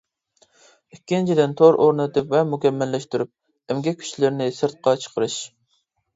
ئىككىنچىدىن تور ئورنىتىپ ۋە مۇكەممەللەشتۈرۈپ، ئەمگەك كۈچلىرىنى سىرتقا چىقىرىش.